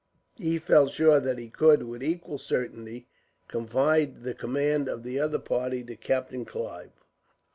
He felt sure that he could, with equal certainty, confide the command of the other party to Captain Clive.